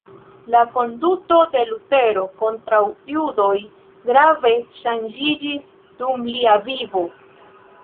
La konduto de Lutero kontraŭ judoj grave ŝanĝiĝis dum lia vivo.